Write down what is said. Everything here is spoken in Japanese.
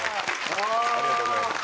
ありがとうございます。